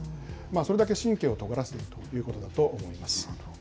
それだけ神経をとがらせているということだと思います。